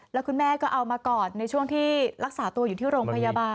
แล้วคุณแม่ก็เอามากอดในช่วงที่รักษาตัวอยู่ที่โรงพยาบาล